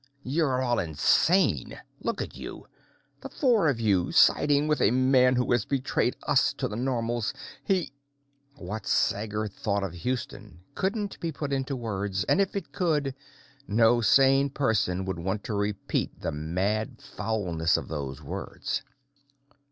"You're all insane! Look at you! The four of you, siding with a man who has betrayed us to the Normals! He " What Sager thought of Houston couldn't be put into words, and if it could no sane person would want to repeat the mad foulness in those words.